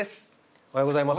おはようございます。